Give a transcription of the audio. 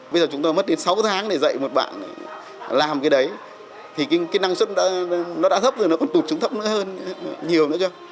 bây giờ chúng tôi mất đến sáu tháng để dạy một bạn làm cái đấy thì cái năng suất nó đã thấp rồi nó còn tụt trúng thấp nữa hơn nhiều nữa chứ